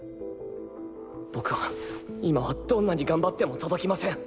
僕は今はどんなに頑張っても届きません。